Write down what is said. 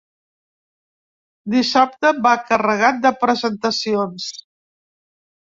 Dissabte va carregat de presentacions.